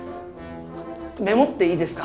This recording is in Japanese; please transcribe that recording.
メモっていいですか？